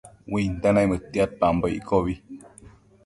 Uinte naimëdtiadpambo iccobi